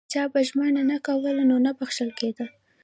که چا به ژمنه نه کوله نو نه بخښل کېده.